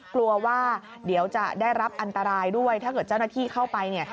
กลัวว่าเดี๋ยวจะได้รับอันตรายด้วยถ้าเกิดเจ้าหน้าที่เข้าไปเนี่ย